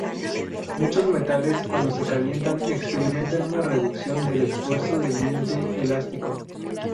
Muchos metales, cuando se calientan, experimentan una reducción del esfuerzo del límite elástico.